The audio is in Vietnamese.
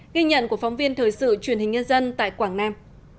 ghi nhận của phóng viên thời sự truyền hình nhân dân tại quảng nam